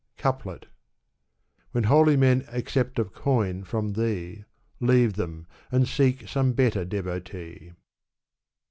Couplet. When holy men accept of coin from thee. Leave them, and seek some better devotee.